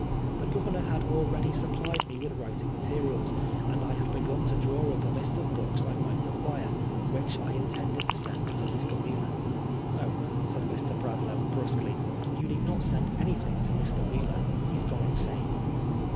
The Governor had already supplied me with writing materials, and I had begun to draw up a list of books I might require, which I intended to send to Mr. Wheeler; •*0h," said Mr. Bradlangh, brusquely, "you need not send anything to Mr. Wheeler ; he's gone insane.'"